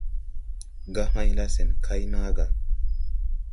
Gahãyla sɛn kay na gà.